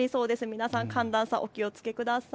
皆さん寒暖差、お気をつけください。